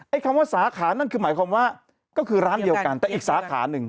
คำว่าสาขานั่นคือหมายความว่าก็คือร้านเดียวกันแต่อีกสาขาหนึ่ง